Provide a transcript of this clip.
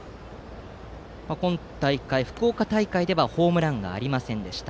今大会、福岡大会ではホームランがありませんでした。